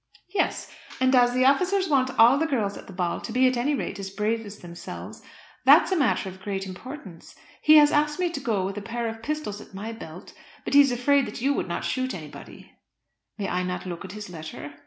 "Yes; and as the officers want all the girls at the ball to be at any rate as brave as themselves, that's a matter of great importance. He has asked me to go with a pair of pistols at my belt; but he is afraid that you would not shoot anybody." "May I not look at his letter?"